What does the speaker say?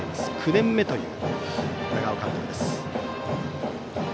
９年目という長尾監督です。